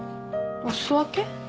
お裾分け？